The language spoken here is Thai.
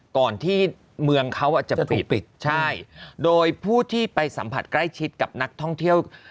ก่อนที่เมืองเขาอาจจะปิดปิดใช่โดยผู้ที่ไปสัมผัสใกล้ชิดกับนักท่องเที่ยว